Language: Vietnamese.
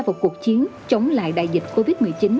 vào cuộc chiến chống lại đại dịch covid một mươi chín